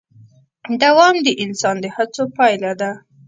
دوام د انسان د هڅو پایله ده.